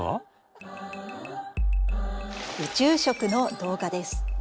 宇宙食の動画です。